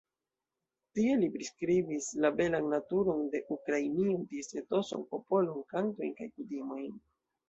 Tie li priskribis la belan naturon de Ukrainio, ties etoson, popolon, kantojn kaj kutimojn.